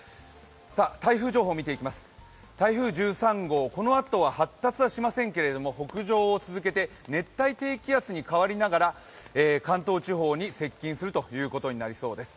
台風情報見ていきます、台風１３号、このあとは発達はしませんけれども、北上を続けて熱帯低気圧に変わりながら関東地方に接近するということになりそうです。